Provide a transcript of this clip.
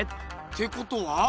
てことは？